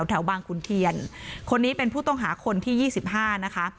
แถวบางขุนเทียนคนนี้เป็นผู้ต้องหาคนที่๒๕นะคะ